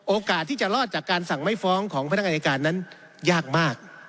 โอกาสที่จะรอดจากการสั่งไม่ฟ้องของพนักงานอายการนั้นยากมาก